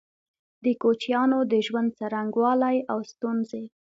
د کوچيانو د ژوند څرنګوالی او ستونزي